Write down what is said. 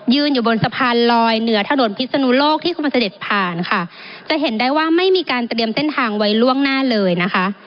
อยู่บนสะพานลอยเหนือถนนพิศนุโลกที่กำลังเสด็จผ่านค่ะจะเห็นได้ว่าไม่มีการเตรียมเส้นทางไว้ล่วงหน้าเลยนะคะ